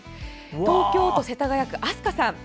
東京都世田谷区、あすかさん。